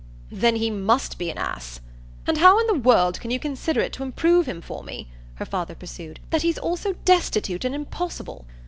"Then he MUST be an ass! And how in the world can you consider it to improve him for me," her father pursued, "that he's also destitute and impossible?